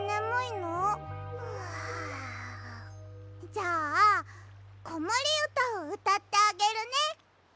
じゃあこもりうたをうたってあげるね！